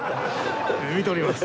見ております。